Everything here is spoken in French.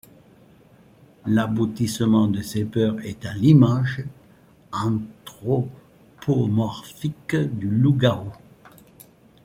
L'aboutissement de ces peurs étant l'image anthropomorphique du loup-garou.